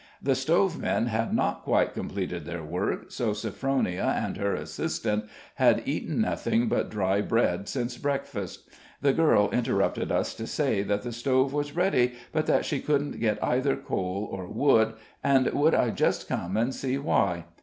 The stove men had not quite completed their work, so Sophronia and her assistant had eaten nothing but dry bread since breakfast. The girl interrupted us to say that the stove was ready, but that she couldn't get either coal or wood, and would I just come and see why?